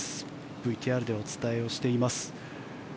ＶＴＲでお伝えしています。